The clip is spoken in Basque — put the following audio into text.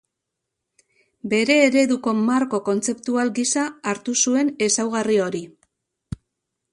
Bere ereduko marko kontzeptual gisa hartu zuen ezaugarri hori.